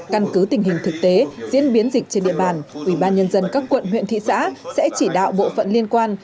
căn cứ tình hình thực tế diễn biến dịch trên địa bàn ubnd các quận huyện thị xã sẽ chỉ đạo bộ phận liên quan